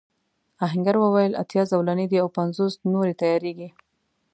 آهنګر وویل اتيا زولنې دي او پنځوس نورې تياریږي.